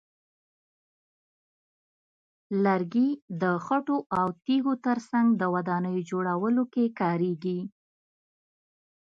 لرګي د خټو او تیږو ترڅنګ د ودانیو جوړولو کې کارېږي.